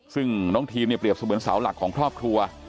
ซึ่งน้องทีมเนี่ยเปรียบเสมือนเสาหลักของครอบครัว